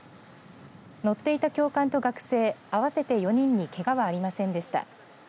乗っていた教官と学生合わせて４人にけがはありませんでした。